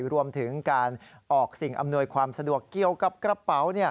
รวมถึงการออกสิ่งอำนวยความสะดวกเกี่ยวกับกระเป๋า